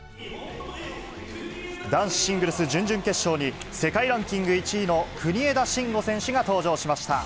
男子シングルス準々決勝に、世界ランキング１位の国枝慎吾選手が登場しました。